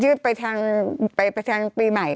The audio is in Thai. ยืดไปทางปีใหม่